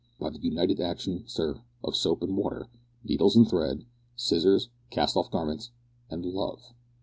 "By the united action, sir, of soap and water, needles and thread, scissors, cast off garments, and Love."